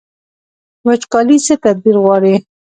وچکالي څه تدبیر غواړي؟